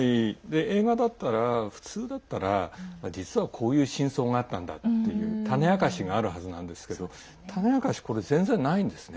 映画だったら、普通だったら実はこういう真相があったんだという種明かしがあるはずなんですけど種明かし、これ全然ないんですね。